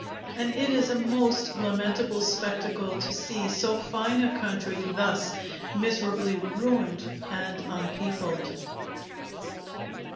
And it is a most lamentable spectacle to see so fine a country thus miserably ruined and unpeopled.